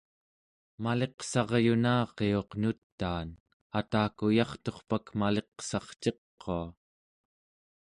maliqsaryunariuq nutaan, atakuyarturpak maliqsarciqua